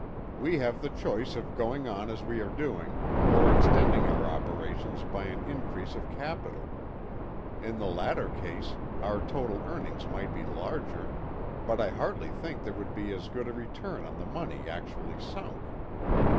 "We have the choice of going on as we are doing, or extending our operations by an increase of capital. In the latter case, our total earnings might be larger, but I hardly think there would be as good a return on the money actually sunk.